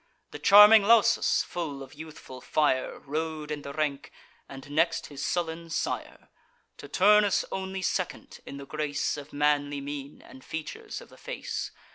The charming Lausus, full of youthful fire, Rode in the rank, and next his sullen sire; To Turnus only second in the grace Of manly mien, and features of the face.